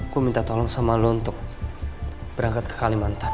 gue minta tolong sama lu untuk berangkat ke kalimantan